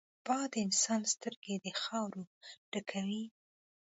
باد د انسان سترګې د خاورو ډکوي